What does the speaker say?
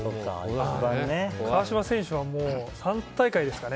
川島選手は、３大会ですかね